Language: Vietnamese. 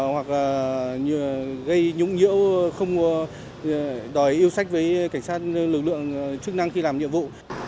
hoặc gây nhũng nhiễu không đòi yêu sách với cảnh sát lực lượng chức năng khi làm nhiệm vụ